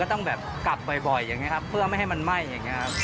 ต้องแบบกลับบ่อยอย่างนี้ครับเพื่อไม่ให้มันไหม้อย่างนี้ครับ